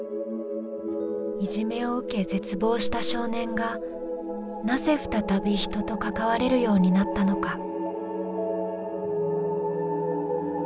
いじめを受け絶望した少年がなぜ再び人と関われるようになったのか。